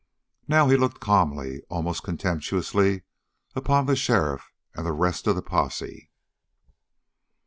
Now he looked calmly, almost contemptuously upon the sheriff and the rest of the posse.